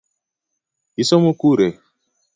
Isomo kure?